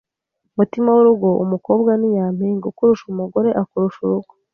mutima w’urugo umukobwa ni nyampinga ukurusha umugore akurusha urugo